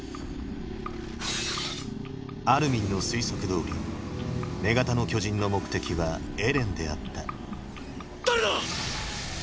アルミンの推測どおり女型の巨人の目的はエレンであった誰だ